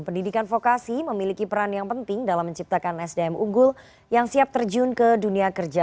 pendidikan vokasi memiliki peran yang penting dalam menciptakan sdm unggul yang siap terjun ke dunia kerja